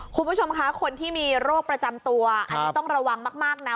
คุณผู้ชมคะคนที่มีโรคประจำตัวอันนี้ต้องระวังมากนะ